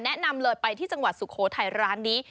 แนะนำเลยไปที่จังหวัดสุโขทัยร้านนี้